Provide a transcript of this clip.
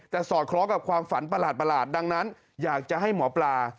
แต่สอดคล้องกับความฝันประหลาดดังนั้นอยากจะให้หมอปลา